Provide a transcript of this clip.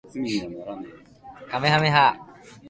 かめはめ波